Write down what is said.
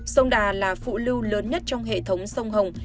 sông đà là phụ lưu lớn nhất trong hệ thống sông hồng